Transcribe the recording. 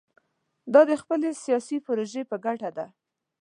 دا د خپلې سیاسي پروژې په ګټه ده.